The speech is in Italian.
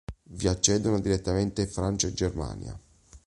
Vi accedono direttamente Francia e Germania.